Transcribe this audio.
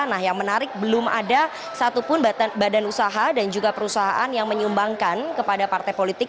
nah yang menarik belum ada satupun badan usaha dan juga perusahaan yang menyumbangkan kepada partai politik